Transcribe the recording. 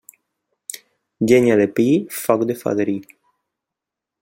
Llenya de pi, foc de fadrí.